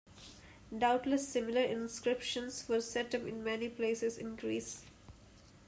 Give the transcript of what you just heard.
Doubtless similar inscriptions were set up in many places in Greece.